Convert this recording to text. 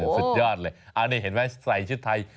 สุดยอดเลยอันนี้เห็นไหมใส่ชุดไทย